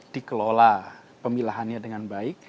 dikelola pemilahannya dengan baik